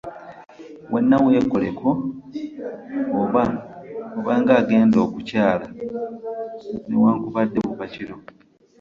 Wenna weekoleko oba ng'agenda okukyala newankubadde buba kiro.